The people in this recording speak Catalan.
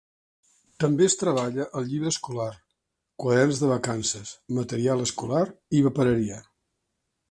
També es treballa el llibre escolar, quaderns de vacances, material escolar i papereria.